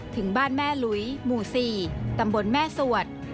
ถึงบ้านแม่หลุยหมู่๔ตำบลแม่สวด